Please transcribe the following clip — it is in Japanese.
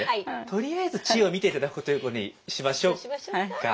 とりあえず知恵を見て頂くというふうにしましょうか。